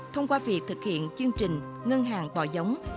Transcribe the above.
thông qua việc thực hiện chương trình ngân hàng bò giống